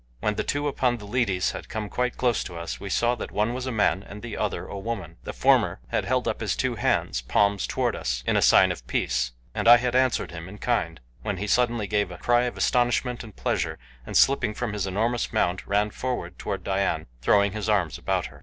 When the two upon the lidis had come quite close to us we saw that one was a man and the other a woman. The former had held up his two hands, palms toward us, in sign of peace, and I had answered him in kind, when he suddenly gave a cry of astonishment and pleasure, and slipping from his enormous mount ran forward toward Dian, throwing his arms about her.